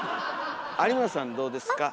有村さんどうですか？